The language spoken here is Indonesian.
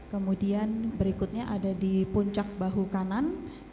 kemudian berikutnya ada di puncak bahu kanan